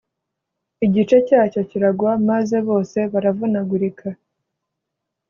igice cyacyo kiragwa maze bose baravunagurika